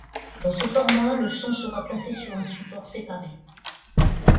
Dans ce format, le son sera placé sur un support séparé.